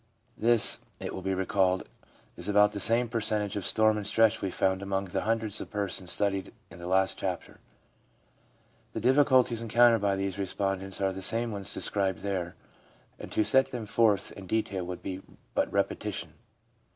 This, it will be recalled, is about the same percentage of storm and stress as we found among the hundred persons studied in the last chapter. The difficulties encountered by these respondents are the same ones described there, and to set them forth in detail would be but repetition.